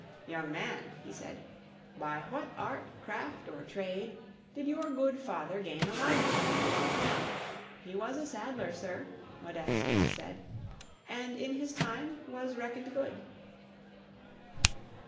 "Young man," he said, "by what art, craft, or trade, Did your good father gain a livelihood?" "He was a saddler, sir," Modestus said, "And in his time was reckon'd good."